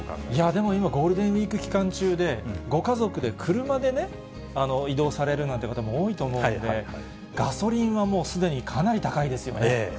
でも今、ゴールデンウィーク期間中で、ご家族で車で移動されるなんて方も多いと思うので、ガソリンはも確かに。